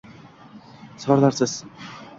Izohlarsiz